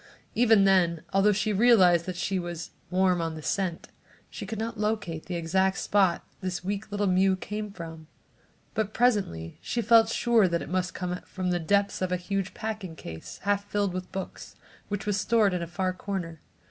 Even then, although she realized that she was "warm on the scent," she could not locate the exact spot this weak little mew came from. But presently she felt sure that it must come from the depths of a huge packing case, half filled with books, which was stored in a far corner.